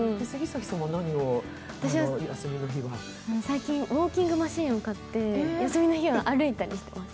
私は最近、ウォーキングマシンを買って休みの日は歩いたりしてます。